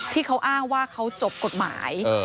ที่เขาอ้างว่าเขาจบกฎหมาย